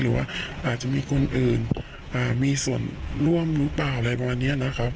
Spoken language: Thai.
หรือว่าอาจจะมีคนอื่นมีส่วนร่วมหรือเปล่าอะไรประมาณนี้นะครับ